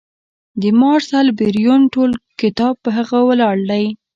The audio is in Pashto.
د مارسل بریون ټول کتاب پر هغه ولاړ دی.